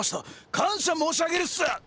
感謝申し上げるっす！